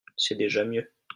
C’est déjà mieux